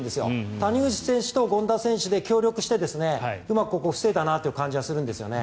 谷口選手と権田選手で協力してうまく防いだなという感じがするんですね。